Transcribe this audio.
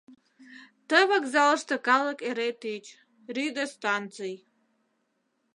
Ты вокзалыште калык эре тич — рӱдӧ станций.